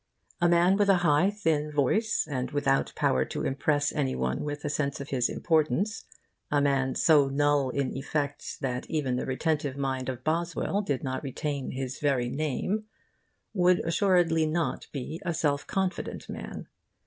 A man with a high, thin voice, and without power to impress any one with a sense of his importance, a man so null in effect that even the retentive mind of Boswell did not retain his very name, would assuredly not be a self confident man.